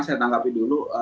saya tanggapi dulu